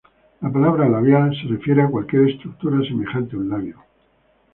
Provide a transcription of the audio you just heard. La palabra "labial" se refiere a cualquier estructura semejante a un labio.